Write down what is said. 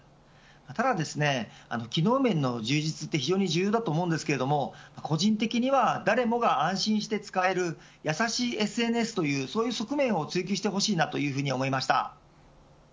ただですね、機能面の充実は非常に重要だと思うんですが個人的には誰もが安心して使えるやさしいＳＮＳという側面を追求してほしいなというふうに思いました。